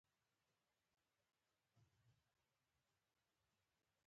کاناډا د خیریه کارونو دود لري.